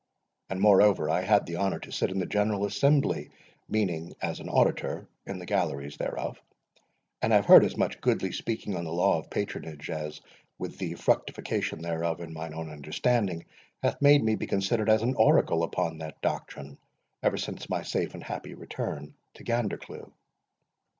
And, moreover, I had the honour to sit in the General Assembly (meaning, as an auditor, in the galleries thereof), and have heard as much goodly speaking on the law of patronage, as, with the fructification thereof in mine own understanding, hath made me be considered as an oracle upon that doctrine ever since my safe and happy return to Gandercleugh.